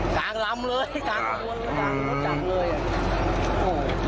กลางลำเลยกลางรถจักรเลย